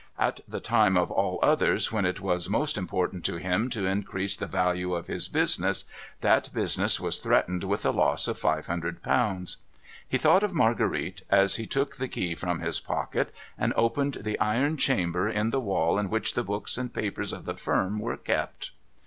At the time of all others when it was most important to him to increase the value of his business, that business was threatened with a loss of five hundred pounds. He thought of Marguerite, as he took the key from his pocket and opened the iron chamber in the wall in w^hich the books and papers of the firm were kept.